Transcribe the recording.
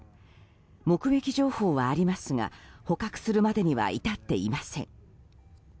目撃情報はありますが捕獲するまでには至っていません。